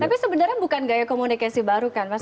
tapi sebenarnya bukan gaya komunikasi baru kan mas